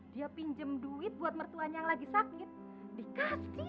sakit ya digebekin orang banyak